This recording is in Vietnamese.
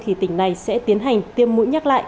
thì tỉnh này sẽ tiến hành tiêm mũi nhắc lại